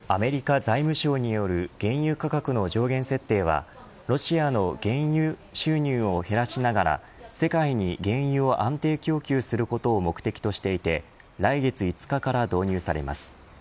アメリカ財務省による原油価格の上限設定はロシアの原油収入を減らしながら世界に原油を安定供給することを目的としていて来月５日から導入されます。